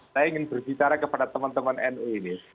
saya ingin berbicara kepada teman teman nu ini